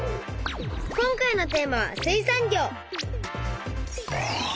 今回のテーマは水産業。